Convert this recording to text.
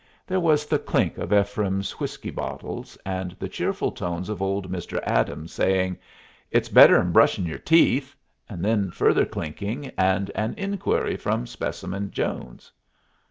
There was the clink of Ephraim's whiskey bottles, and the cheerful tones of old Mr. Adams, saying, "It's better 'n brushin' yer teeth"; and then further clinking, and an inquiry from Specimen Jones.